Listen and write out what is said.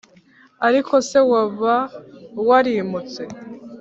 ariko se waba warimutse?